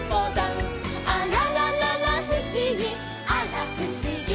「あららららふしぎあらふしぎ」